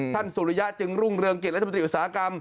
สุริยะจึงรุ่งเรืองกิจรัฐมนตรีอุตสาหกรรม